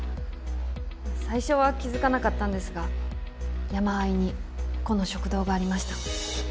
最初は気付かなかったんですが山あいにこの食堂がありました。